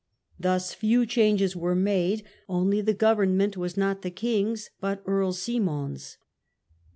Thus few changes were made; only the government was not the king's, but Earl Simon's.